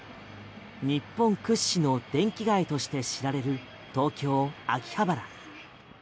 日本屈指の電気街として知られる東京・秋葉原。